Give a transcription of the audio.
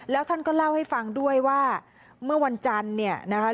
แล้วท่านก็เล่าให้ฟังด้วยว่าเมื่อวันจันทร์เนี่ยนะคะ